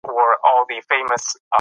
د ملکیار شعر د پښتني فکر استازیتوب کوي.